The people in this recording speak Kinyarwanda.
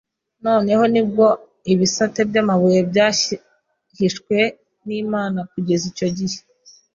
noneho ni bwo ibisate by’amabuye byahishwe n’Imana kugeza icyo igihe,